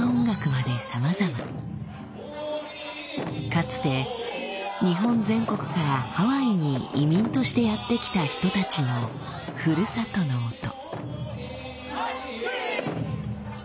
かつて日本全国からハワイに移民としてやって来た人たちのふるさとの音。